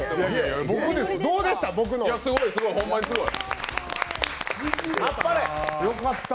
どうでした？